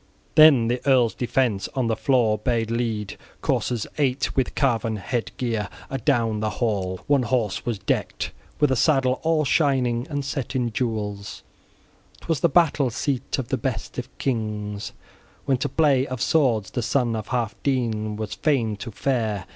Then the earls' defence {15d} on the floor {15e} bade lead coursers eight, with carven head gear, adown the hall: one horse was decked with a saddle all shining and set in jewels; 'twas the battle seat of the best of kings, when to play of swords the son of Healfdene was fain to fare.